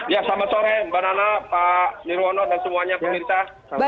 ya selamat sore mbak nana pak nirwono dan semuanya pemirsa